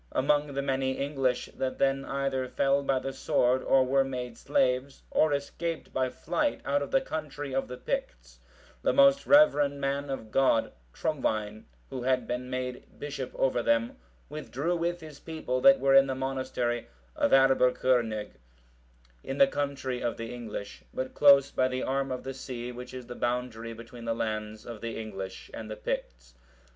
Among the many English that then either fell by the sword, or were made slaves, or escaped by flight out of the country of the Picts, the most reverend man of God, Trumwine,(728) who had been made bishop over them, withdrew with his people that were in the monastery of Aebbercurnig,(729) in the country of the English, but close by the arm of the sea which is the boundary between the lands of the English and the Picts.